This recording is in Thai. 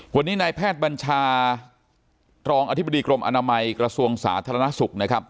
วันนี้นายแพทย์บัญชารองอธิบดีกรมอนามัยกระทรวงสาธารณสุขนะครับ